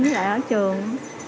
với lại ở trường